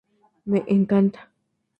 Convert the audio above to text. Me encanta.